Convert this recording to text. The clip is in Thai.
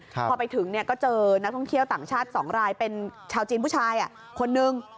พอไปถึงเนี่ยก็เจอนักท่องเที่ยวต่างชาติ๒รายเป็นชาวจีนผู้ชายคนนึง